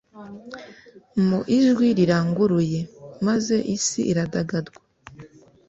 mu ijwi riranguruye, maze isi iradagadwa